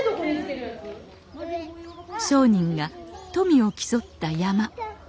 商人が富を競った山車。